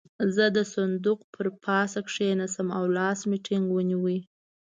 زه د صندوق پر پاسه کېناستم او لاس مې ټينګ ونيو.